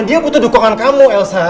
dia butuh dukungan kamu elsa